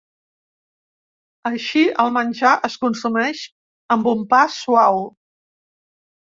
Així el menjar es consumeix amb un pa suau.